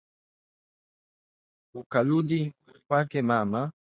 Ukarudi kwake mama